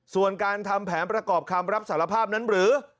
ส่วนการทำแผนประกอบคำรับสารภาพนั้นหรือ